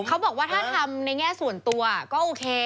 เขาบอกว่าถ้าทำในแง่ส่วนตัวก็โอเค